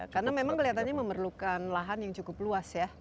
karena memang kelihatannya memerlukan lahan yang cukup luas ya